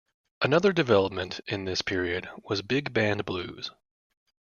Another development in this period was big band blues.